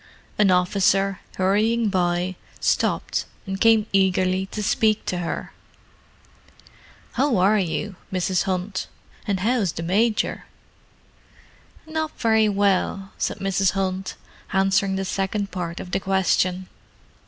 An officer, hurrying by, stopped and came eagerly to speak to her. "How are you, Mrs. Hunt? And how's the Major?" "Not very well," said Mrs. Hunt, answering the second part of the question.